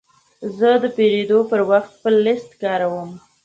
زه د پیرود پر وخت خپل لیست کاروم.